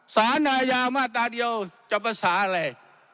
สารอาญามาตราเดียวจะภาษาอะไร